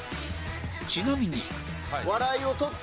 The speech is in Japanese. ちなみに